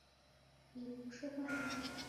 你是不是坏人